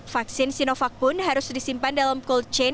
vaksin sinovac pun harus disimpan dalam cold chain